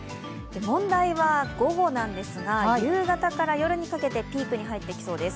問題は午後なんですが夕方から夜にかけてピークに入ってきそうです。